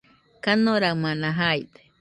kanoraɨmana jaide